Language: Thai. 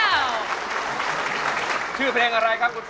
ถ้าตอบถูกเป็นคนแรกขึ้นมาเลย